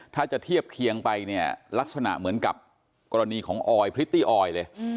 ถ้าจะเทียบเคียงไปเนี่ยลักษณะเหมือนกับกรณีของออยพริตตี้ออยเลย